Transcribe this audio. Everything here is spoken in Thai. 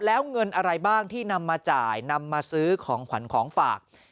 แล้วเงินอะไรบ้างที่นำมาจ่ายนำมาซื้อของขวัญของฝาก